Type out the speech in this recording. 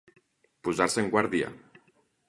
Posar-se en guàrdia.